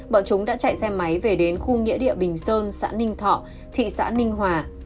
bọn chúng đã chạy xe máy về đến khu nghĩa địa bình sơn xã ninh thọ thị xã ninh hòa